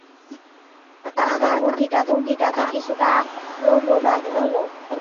আমার কাছে মুরগীটাকে কিছুটা আক্রমণাত্মক মনে হলো!